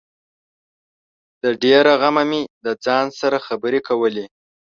د ډېره غمه مې د ځان سره خبري کولې